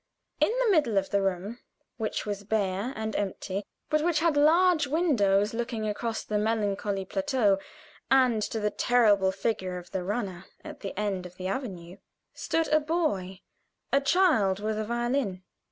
In the middle of the room, which was bare and empty, but which had large windows looking across the melancholy plateau, and to the terrible figure of the runner at the end of the avenue stood a boy a child with a violin.